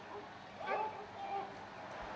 ขอบคุณทุกคน